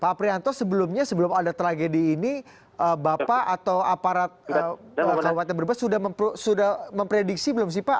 pak aprianto sebelumnya sebelum ada tragedi ini bapak atau aparat kabupaten brebes sudah memprediksi belum sih pak